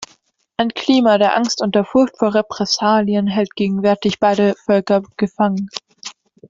Ein Klima der Angst und der Furcht vor Repressalien hält gegenwärtig beide Völker gefangen.